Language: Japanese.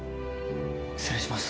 失礼します。